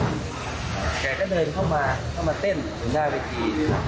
แกก็เดินเข้ามาเข้ามาเต้นอยู่หน้าเวที